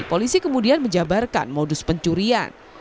polisi kemudian menjabarkan modus pencurian